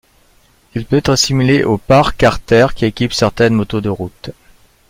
Il peut être assimilé au Pare carter qui équipe certaine moto de route.